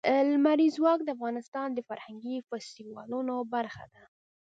لمریز ځواک د افغانستان د فرهنګي فستیوالونو برخه ده.